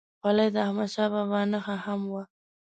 خولۍ د احمدشاه بابا نښه هم وه.